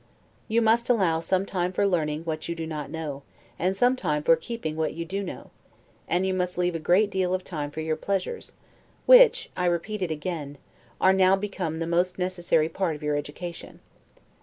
You must allow some time for learning what you do not know, and some for keeping what you do know; and you must leave a great deal of time for your pleasures; which (I repeat it, again) are now become the most necessary part of your education.